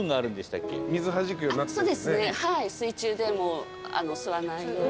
水中でも吸わないように。